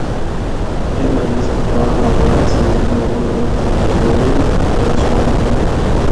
اِناں بچ افغان، آوان، سید، مغل، عرب تے بجوڑی وغیرہ شامل ہن۔